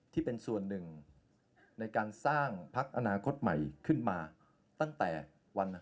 ที่เป็นส่วนหนึ่งในการสร้างพักอนาคตใหม่ขึ้นมาตั้งแต่วัน